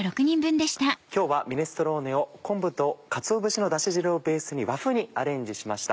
今日はミネストローネを昆布とかつお節のダシ汁をベースに和風にアレンジしました。